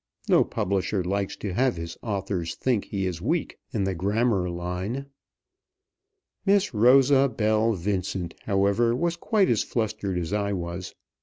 No publisher likes to have his authors think he is weak in the grammar line. Miss Rosa Belle Vincent, however, was quite as flustered as I was.